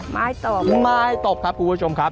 ไม้ตบไม้ตบครับคุณผู้ชมครับ